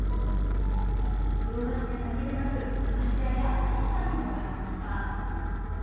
洋菓子店だけでなく、和菓子屋やパン屋さんにもありました。